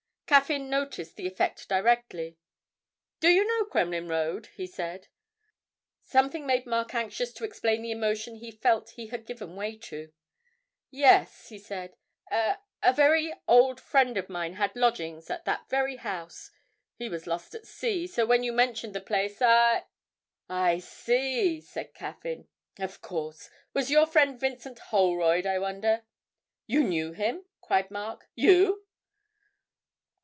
Caffyn noticed the effect directly. 'Do you know Kremlin Road?' he said. Something made Mark anxious to explain the emotion he felt he had given way to. 'Yes,' he said, 'a a very old friend of mine had lodgings at that very house. He was lost at sea, so when you mentioned the place I ' 'I see,' said Caffyn. 'Of course. Was your friend Vincent Holroyd, I wonder?' 'You knew him?' cried Mark; 'you!'